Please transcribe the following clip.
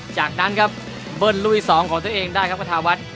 จากนั้นครับเบิ้ลลุยสองของตัวเองได้ครับฆาตาวัด